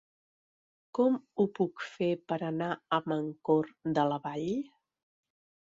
Com ho puc fer per anar a Mancor de la Vall?